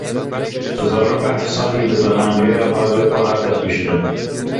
Zaroka heşt salî bi demançeya bavê xwe hat kuştin.